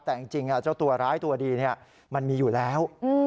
แต่จริงเจ้าตัวร้ายตัวดีมันมีอยู่แล้ว